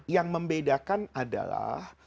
yang membedakan adalah